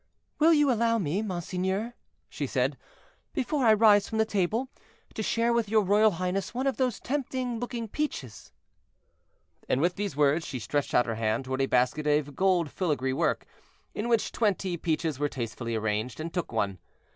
"Will you allow me, monseigneur," she said, "before I rise from the table, to share with your royal highness one of those tempting looking peaches." And with these words she stretched out her hand toward a basket of gold filagree work, in which twenty peaches were tastefully arranged, and took one.